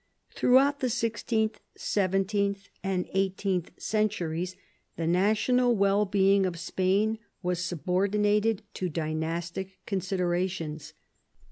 Throughout the sixteenth, seventeenth, and eighteenth centuries the national well being of Spain was subordinated to dynastic considerations.